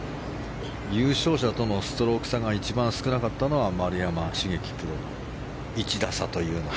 優勝者とのストローク差が一番少なかったのは丸山茂樹プロの１打差という。